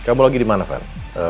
eh kamu lagi dimana ivan